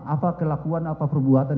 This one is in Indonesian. apa kelakuan apa perbuatan